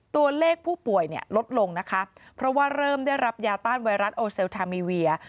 ตัวเลขผู้ป่วยเนี่ยลดลงนะคะเพราะว่าเริ่มได้รับยาต้านไวรัสโอเซลทามีเวีย